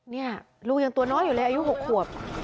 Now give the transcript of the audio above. นี่ลูกยังตัวน้อยอยู่เลยอายุ๖ขวบ